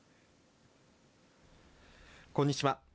こんにちは。